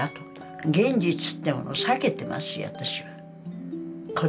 現実ってものを避けてますよ